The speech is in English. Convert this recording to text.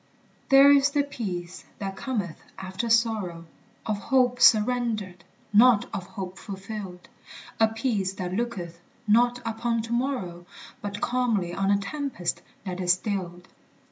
There is the peace that cometh after sorrow, Of hope surrendered, not of hope fulfilled; A peace that looketh not upon to morrow, But calmly on a tempest that is stilled.